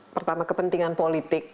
pertama kepentingan politik